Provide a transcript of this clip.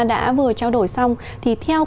đã vừa trao đổi xong thì theo